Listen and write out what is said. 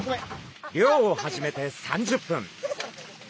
漁を始めて３０分。